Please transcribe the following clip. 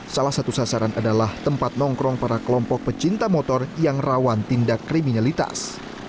salah satu sasaran adalah tempat nongkrong para kelompok pecinta motor yang rawan tindak kriminalitas